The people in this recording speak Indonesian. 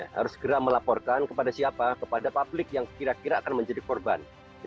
harus segera melaporkan kepada siapa kepada publik yang kira kira akan menjadi korban